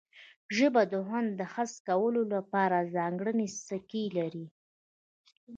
ژبه د خوند د حس کولو لپاره ځانګړي څکي لري